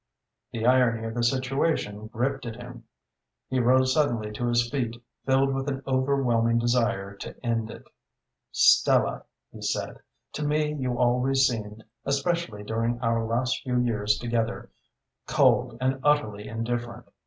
The irony of the situation gripped at him. He rose suddenly to his feet, filled with an overwhelming desire to end it. "Stella," he said, "to me you always seemed, especially during our last few years together, cold and utterly indifferent.